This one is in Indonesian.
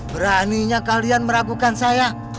beraninya kalian meragukan saya